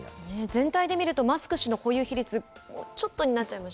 全体で見ると、マスク氏の保有比率、ちょっとになっちゃいま